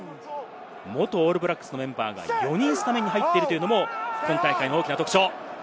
元オールブラックスのメンバーが４人スタメンに入っているというのも今大会の大きな特徴。